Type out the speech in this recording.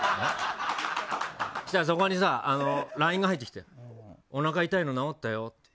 そうしたら、そこにＬＩＮＥが入ってきておなか痛いの治ったって。